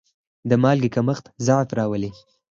د مالګې کمښت ضعف راولي.